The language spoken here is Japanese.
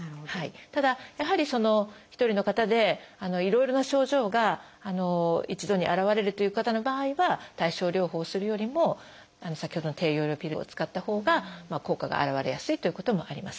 ただやはり１人の方でいろいろな症状が一度に現れるという方の場合は対症療法をするよりも先ほどの低用量ピルを使ったほうが効果が表れやすいということもあります。